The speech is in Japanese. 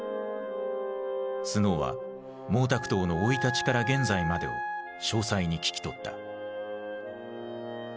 スノーは毛沢東の生い立ちから現在までを詳細に聞き取った。